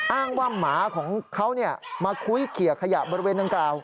อ้างว่าหมาของเขามาคุยเขียขยะบริเวณดังกล่าว